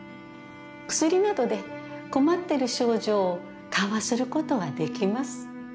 薬などで困ってる症状を緩和することはできます。